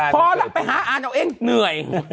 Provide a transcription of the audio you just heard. พอแล้วไปหาอ่านเอาเองเหนื่อย